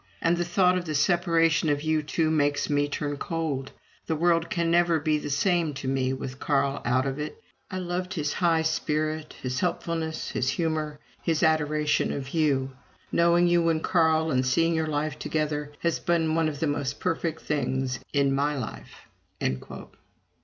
And the thought of the separation of you two makes me turn cold. ... The world can never be the same to me with Carl out of it. I loved his high spirit, his helpfulness, his humor, his adoration of you. Knowing you and Carl, and seeing your life together, has been one of the most perfect things in my life."